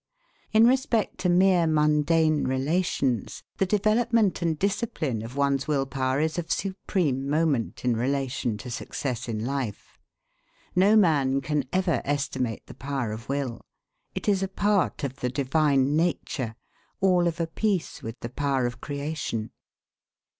In respect to mere mundane relations, the development and discipline of one's will power is of supreme moment in relation to success in life. No man can ever estimate the power of will. It is a part of the divine nature, all of a piece with the power of creation.